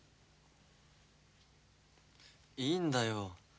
いいんだよ